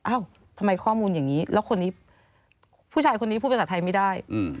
ทำไมข้อมูลอย่างนี้แล้วคนนี้ผู้ชายคนนี้พูดภาษาไทยไม่ได้